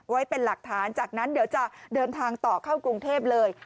ไว้เป็นหลักฐานจากนั้นเดี๋ยวจะเดินทางต่อเข้ากรุงเทพเลย